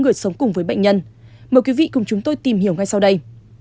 người sống cùng với bệnh nhân mời quý vị cùng chúng tôi tìm hiểu ngay sau đây